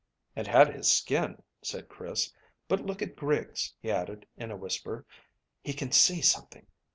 "And had his skin," said Chris. "But look at Griggs," he added, in a whisper; "he can see something.